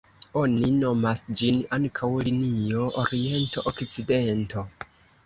Oni nomas ĝin ankaŭ linio oriento-okcidento.